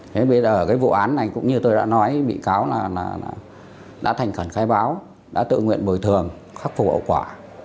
thế bây giờ cái vụ án này cũng như tôi đã nói bị cáo là đã thành khẩn khai báo đã tự nguyện bồi thường khắc phục hậu quả